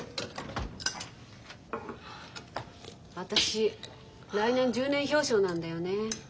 私来年１０年表彰なんだよねえ。